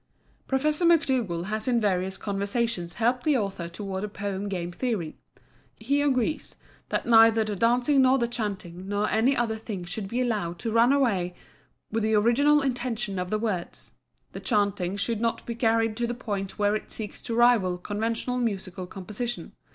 Professor Macdougall has in various conversations helped the author toward a Poem Game theory. He agrees that neither the dancing nor the chanting nor any other thing should be allowed to run away with the original intention of the words. The chanting should not be carried to the point where it seeks to rival conventional musical composition.